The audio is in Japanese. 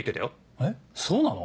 えっそうなの？